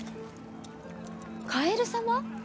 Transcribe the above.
カエル様？